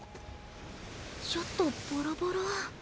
ちょっとボロボロ。